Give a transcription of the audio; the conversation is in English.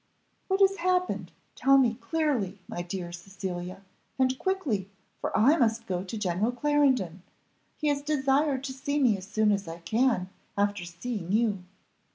"What has happened, tell me clearly, my dear Cecilia, and quickly, for I must go to General Clarendon; he has desired to see me as soon as I can after seeing you."